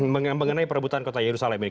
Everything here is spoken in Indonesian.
mengenai perebutan kota yerusalem ini